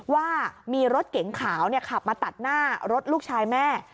ว่ามีรถเก๋งขาวขับมาตัดหน้ารถลูกชายแม่